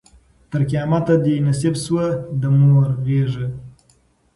تر قیامته دي نصیب سوه د مور غیږه